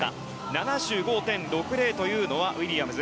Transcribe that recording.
７５．６０というのはウィリアムズ